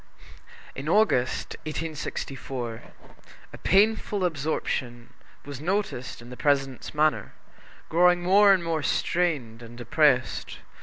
In August, 1864, a painful absorption was noticed in the President's manner, growing more and more strained and depressed.